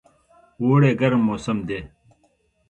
اوړی ګرم موسم دی